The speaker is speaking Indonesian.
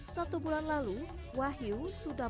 wahyu mencari papan skate yang lebih baik